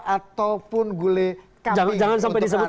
ataupun gulai kambing